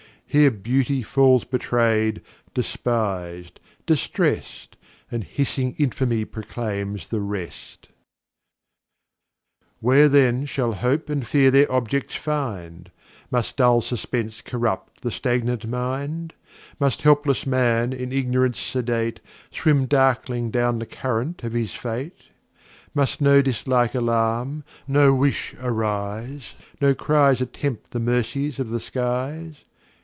Here Beauty falls betray'd, despis'd, distress'd, And hissing Infamy proclaims the rest. [Footnote m: Ver. 289 345.] Where[n] then shall Hope and Fear their Objects find? Must dull Suspence corrupt the stagnant Mind? Must helpless Man, in Ignorance sedate, Swim darkling down the Current of his Fate? Must no Dislike alarm, no Wishes rise, No Cries attempt the Mercies of the Skies?